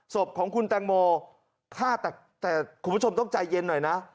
ศพของคุณแตงโมฆ่าแต่คุณผู้ชมต้องใจเย็นหน่อยนะ